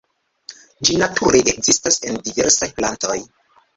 Ĝi nature ekzistas en diversaj plantoj.